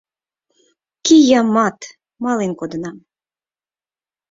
Киямат, мален кодынам.